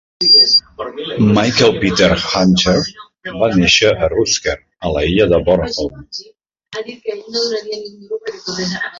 Michael Peter Ancher va néixer a Rutsker, a l'illa de Bornholm.